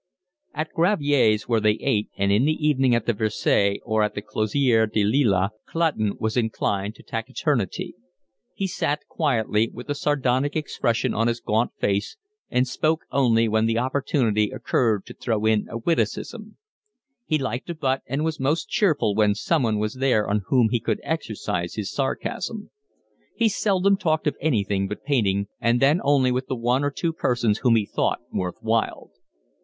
At Gravier's where they ate, and in the evening at the Versailles or at the Closerie des Lilas Clutton was inclined to taciturnity. He sat quietly, with a sardonic expression on his gaunt face, and spoke only when the opportunity occurred to throw in a witticism. He liked a butt and was most cheerful when someone was there on whom he could exercise his sarcasm. He seldom talked of anything but painting, and then only with the one or two persons whom he thought worth while.